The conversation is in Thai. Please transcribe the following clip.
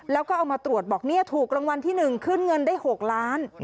แล้วก็เอามาตรวจบอกเนี่ยถูกรางวัลที่๑ขึ้นเงินได้๖ล้าน